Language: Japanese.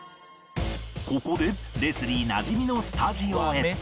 ここでレスリーなじみのスタジオへ